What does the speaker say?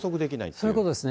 そういうことですね。